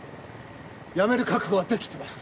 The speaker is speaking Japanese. やめる覚悟はできてます